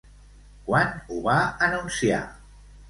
Quan ho va anunciar?